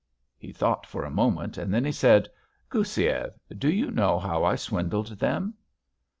'" He thought for a moment and then he said: "Goussiev, do you know how I swindled them?"